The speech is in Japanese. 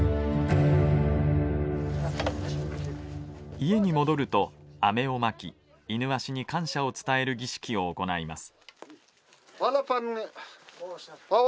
家に戻ると飴をまきイヌワシに感謝を伝える儀式を行います。